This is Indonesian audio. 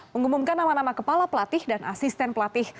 mengumumkan nama nama kepala pelatih dan asisten pelatih